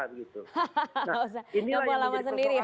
gak usah nyapu halaman sendiri ya